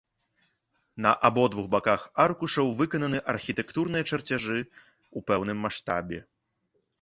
На абодвух баках аркушаў выкананы архітэктурныя чарцяжы ў і пэўным маштабе.